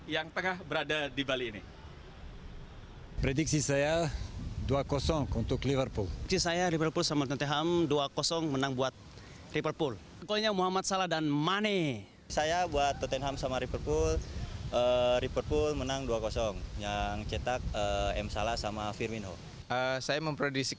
yang tengah berada di bali ini